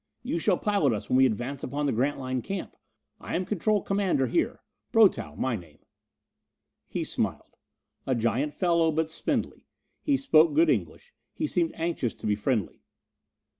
"You shall pilot us when we advance upon the Grantline camp. I am control commander here Brotow, my name." He smiled. A giant fellow, but spindly. He spoke good English. He seemed anxious to be friendly.